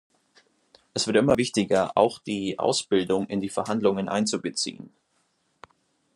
Es wird immer wichtiger, auch die Ausbildung in die Verhandlungen einzubeziehen.